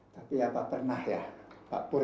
tapi apa pernah ya pak pur